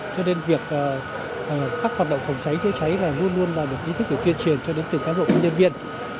cho nên việc các hoạt động phòng cháy chữa cháy luôn luôn là một ý thức được tuyên truyền cho đến từ các đội nhân viên